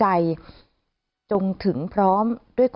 ไปเยี่ยมผู้แทนพระองค์